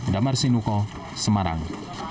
damar sinuko semarang